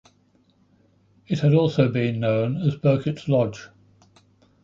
It had also been known as Burkitt's Lodge.